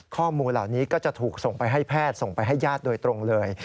ข้อมูลเหล่านี้ก็จะถูกส่งไปให้แพทย์ส่งไปให้ญาติโดยตรงเลย